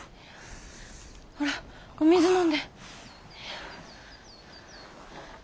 ほらお水飲んで。